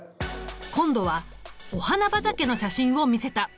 今度はお花畑の写真を見せた。